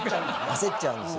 焦っちゃうんですよ。